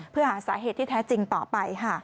เพื่อหาสาเหตุที่แท้จริงต่อไป